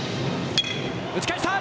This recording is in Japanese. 打ち返した！